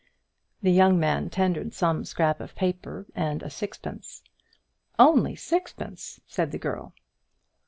The young man tendered some scrap of paper and a sixpence. "Only sixpence!" said the girl.